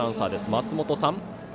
松本さん。